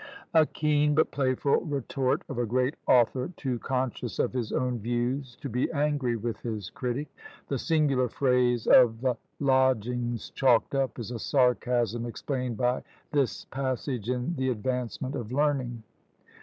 A keen but playful retort of a great author too conscious of his own views to be angry with his critic! The singular phrase of the lodgings chalked up is a sarcasm explained by this passage in "The Advancement of Learning."